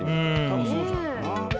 多分そうじゃないかな。